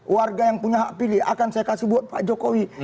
warga yang punya hak pilih akan saya kasih buat pak jokowi